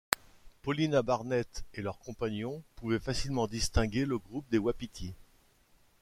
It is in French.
Paulina Barnett et leurs compagnons pouvaient facilement distinguer le groupe des wapitis.